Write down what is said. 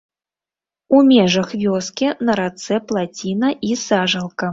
У межах вёскі на рацэ плаціна і сажалка.